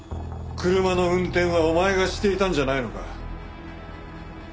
車の運転はお前がしていたんじゃないのか？